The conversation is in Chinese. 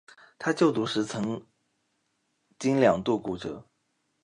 他就读时则曾经两度骨折。